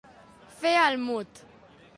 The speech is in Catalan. Fer el mut.